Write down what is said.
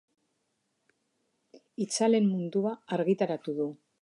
Itzalen mundua argitaratu du.